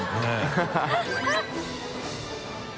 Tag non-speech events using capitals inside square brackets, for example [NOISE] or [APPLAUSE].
ハハハ [LAUGHS]